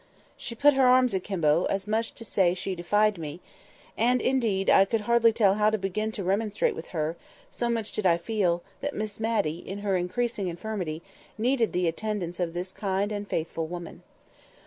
She put her arms akimbo, as much as to say she defied me; and, indeed, I could hardly tell how to begin to remonstrate with her, so much did I feel that Miss Matty, in her increasing infirmity, needed the attendance of this kind and faithful woman.